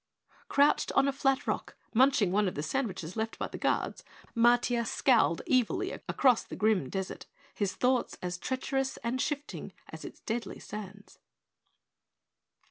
Crouched on a flat rock, munching one of the sandwiches left by the guards, Matiah scowled evilly across the grim desert, his thoughts as treacherous and shifting as its deadly sands.